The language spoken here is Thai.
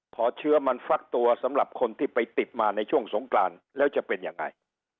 พอเชื้อมันฟักตัวสำหรับคนที่ไปติดมาในช่วงสงกรานแล้วจะเป็นยังไง